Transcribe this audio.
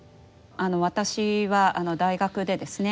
私は大学でですね